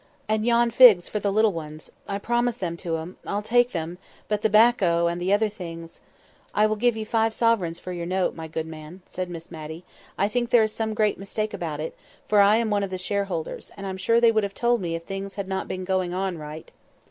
And yon figs for the little ones—I promised them to 'em—I'll take them; but the 'bacco, and the other things"— "I will give you five sovereigns for your note, my good man," said Miss Matty. "I think there is some great mistake about it, for I am one of the shareholders, and I'm sure they would have told me if things had not been going on right."